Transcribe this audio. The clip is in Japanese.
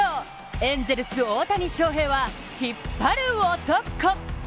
エンゼルス・大谷翔平は引っ張る男。